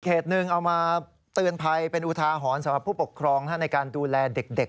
หนึ่งเอามาเตือนภัยเป็นอุทาหรณ์สำหรับผู้ปกครองในการดูแลเด็ก